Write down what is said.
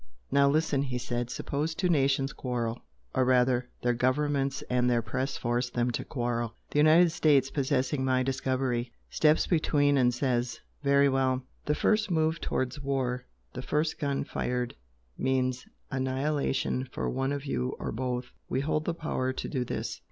"Now listen!" he said "Suppose two nations quarrel or rather, their governments and their press force them to quarrel the United States (possessing my discovery) steps between and says 'Very well! The first move towards war the first gun fired means annihilation for one of you or both! We hold the power to do this!'"